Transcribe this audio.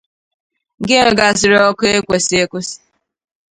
nke nwegasịrị ọkụ ekwesi ekwesi